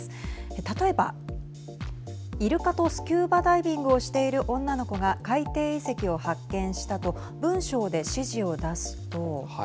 例えば、いるかとスキューバダイビングをしている女の子が海底遺跡を発見したと文章で指示を出すと。